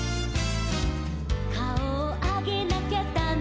「かおをあげなきゃだめだめ」